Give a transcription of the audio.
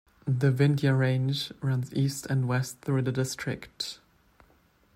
The Vindhya Range runs east and west through the district.